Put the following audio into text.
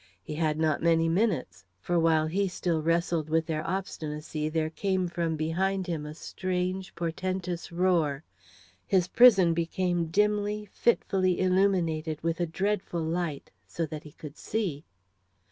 He had not many minutes, for while he still wrestled with their obstinacy there came from behind him a strange, portentous roar. His prison became dimly, fitfully illuminated with a dreadful light so that he could see.